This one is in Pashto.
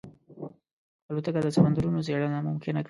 الوتکه د سمندرونو څېړنه ممکنه کوي.